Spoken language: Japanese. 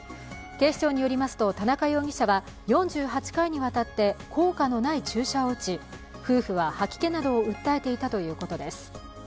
警視庁によりますと田中容疑者は４８回にわたって効果のない注射を打ち、夫婦は吐き気などを訴えていたということです。